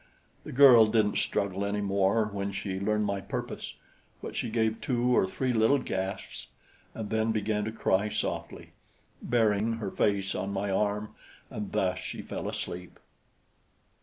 The girl didn't struggle any more when she learned my purpose; but she gave two or three little gasps, and then began to cry softly, burying her face on my arm, and thus she fell asleep.